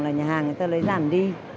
là nhà hàng người ta lấy giảm đi